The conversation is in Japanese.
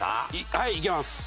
はいいけます。